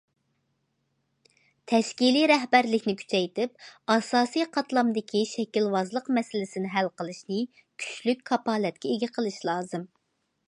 تەشكىلىي رەھبەرلىكنى كۈچەيتىپ، ئاساسىي قاتلامدىكى شەكىلۋازلىق مەسىلىسىنى ھەل قىلىشنى كۈچلۈك كاپالەتكە ئىگە قىلىش لازىم.